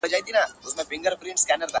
ته غواړې سره سکروټه دا ځل پر ځان و نه نیسم.